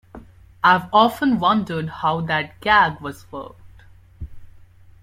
I've often wondered how that gag was worked.